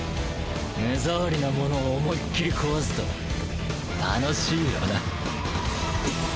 目障りなモノを思いっきり壊すと愉しいよな。